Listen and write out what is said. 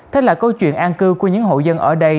thế là câu chuyện an cư của những hộ dân ở đây